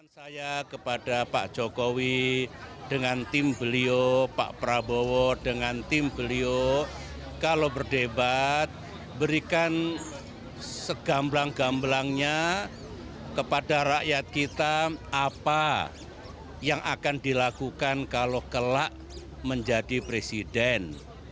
saya kepada pak jokowi dengan tim beliau pak prabowo dengan tim beliau kalau berdebat berikan segamblang gamblangnya kepada rakyat kita apa yang akan dilakukan kalau kelak menjadi presiden